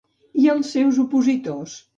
I als seus opositors?